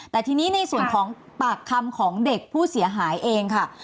แต่ทีนี้ในส่วนของปากคำของเด็กผู้เสียหายเองค่ะ